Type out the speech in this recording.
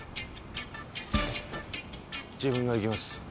自分が行きます。